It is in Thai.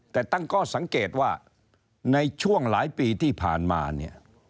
แต่ตั้งข้อสังเกตว่าในช่วงหลายปีที่ผ่านมาเนี่ย